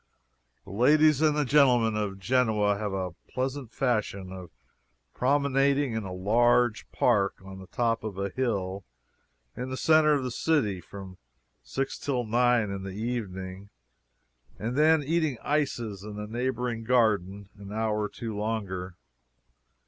The ladies and gentlemen of Genoa have a pleasant fashion of promenading in a large park on the top of a hill in the center of the city, from six till nine in the evening, and then eating ices in a neighboring garden an hour or two longer.